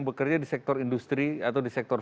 bekerja di sektor industri atau di sektor